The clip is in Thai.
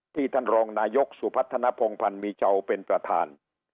ท่านรองนายกสุพัฒนภงพันธ์มีเจ้าเป็นประธาน